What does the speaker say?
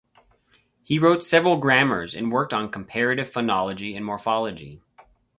He wrote several grammars and worked on comparative phonology and morphology.